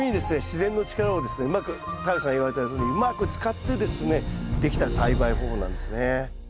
自然の力をですねうまく太陽さん言われたようにうまく使ってですねできた栽培方法なんですね。